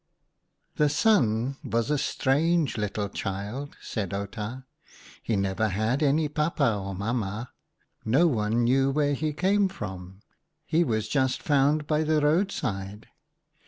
" The Sun was a strange little child," said Outa. "He never had any Pap pa or Mam ma. No one knew where he came from. He was just found by the roadside.